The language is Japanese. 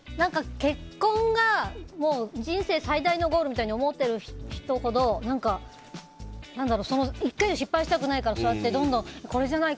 結婚が人生最大のゴールみたいに思っている人ほど１回も失敗したくないからそうやってどんどんこれじゃない！